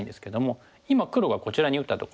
今黒がこちらに打ったところ。